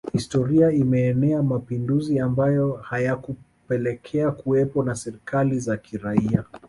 Historia imeenea mapinduzi ambayo hayakupelekea kuwepo na serikali za kiraia